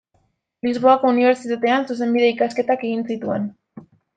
Lisboako Unibertsitatean zuzenbide-ikasketak egin zituen.